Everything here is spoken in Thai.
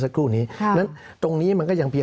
สำหรับกำลังการผลิตหน้ากากอนามัย